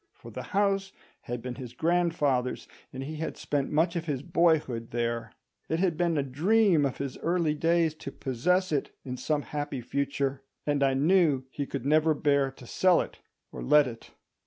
For the house had been his grandfather's, and he had spent much of his boyhood there; it had been a dream of his early days to possess it in some happy future, and I knew he could never bear to sell or let it.